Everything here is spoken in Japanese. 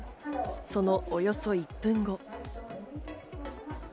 そのおよそ１分後。